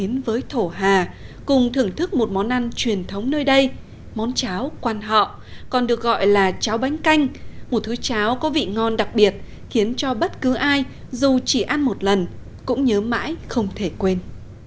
chúng tôi mời quý vị và các bạn đến với thổ hà cùng thưởng thức một món ăn truyền thống nơi đây món cháo quan họ còn được gọi là cháo bánh canh một thứ cháo có vị ngon đặc biệt khiến cho bất cứ ai dù chỉ ăn một lần cũng nhớ mãi không thể quên